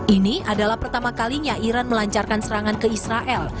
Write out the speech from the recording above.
ini adalah pertama kalinya iran melancarkan serangan ke israel